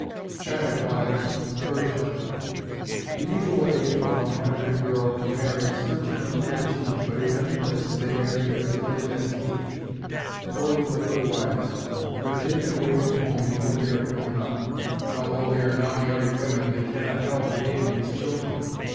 CHILD WIVES, PERSIA The usual age for a Mohammedan girl to marry is thirteen or fourteen, but in many places they marry as early as eight.... Poor little girl wives! They are taken away from home before they are grown up, and although they are now married women they cannot help behaving as children.